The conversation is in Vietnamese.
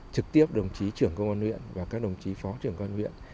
trực tiếp đồng chí trưởng công an huyện và các đồng chí phó trưởng công an huyện